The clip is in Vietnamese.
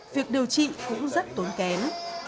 việc điều trị cũng rất tốn kén